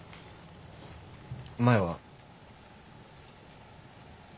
前は。